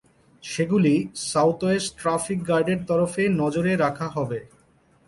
সেগুলি south west traffic গার্ডের তরফে নজরে রাখা হবে।